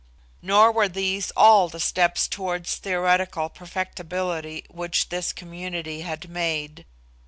Nor were these all the steps towards theoretical perfectibility which this community had made.